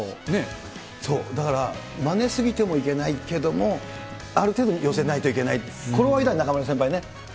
だから、まね過ぎてもいけないけども、ある程度寄せないといけない、頃合いだね、中丸先輩ね。